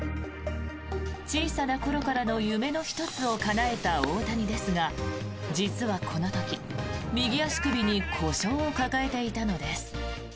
小さな頃からの夢の１つをかなえた大谷ですが実はこの時、右足首に故障を抱えていたのです。